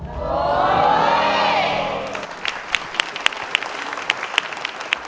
ถูก